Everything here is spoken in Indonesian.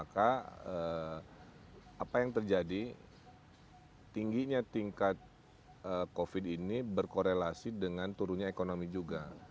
karena apa yang terjadi tingginya tingkat covid ini berkorelasi dengan turunnya ekonomi juga